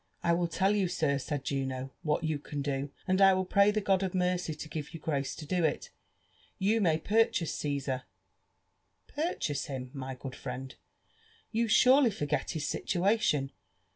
I will tell yon. sir/' said Juno, " what you can do, and I will pray the God of mercy lo giTo you grace to do It. You may paithase C«sar." *' Purchase him, my good friend? — You surely forget his situation.